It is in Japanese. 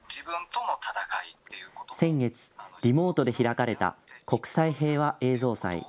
先月、リモートで開かれた国際平和映像祭。